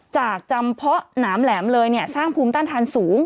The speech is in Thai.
จำเพาะหนามแหลมเลยสร้างภูมิต้านทานสูง